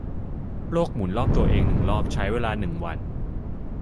โลกหมุนรอบตัวเองหนึ่งรอบใช้เวลาหนึ่งวัน